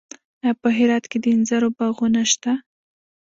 آیا په هرات کې د انځرو باغونه شته؟